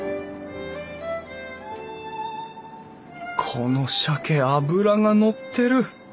このしゃけ脂がのってる！